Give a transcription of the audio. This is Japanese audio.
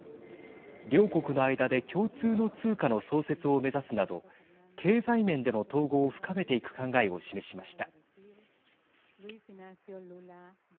両国の間で共通の通貨の創設を目指すなど経済面での統合を深めていく考えを示しました。